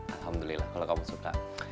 alhamdulillah kalau kamu suka